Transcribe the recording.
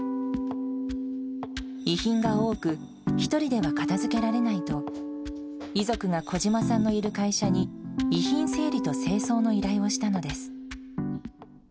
遺品が多く、１人では片づけられないと、遺族が小島さんのいる会社に遺品整理と清掃の依頼をしたのです。